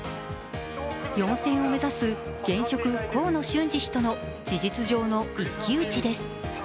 ４選を目指す現職・河野俊嗣氏との事実上の一騎打ちです。